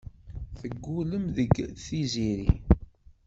Teggullem deg Tiziri.